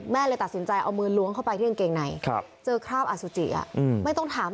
แม่เลยตัดสินใจเอามือล้วงเข้าไปเกงไหนครับเจอคราวสุจิอ่ะไม่ต้องถาม